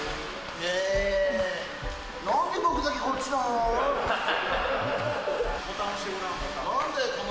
えー、なんで僕だけこっちなの？